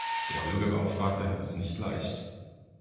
Der Bürgerbeauftragte hat es nicht leicht.